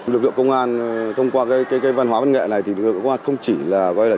lực lượng công an thông qua cái văn hóa văn nghệ này thì lực lượng công an không chỉ là